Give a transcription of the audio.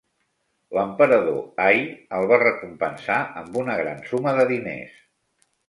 L'emperador Ai el va recompensar amb una gran suma de diners.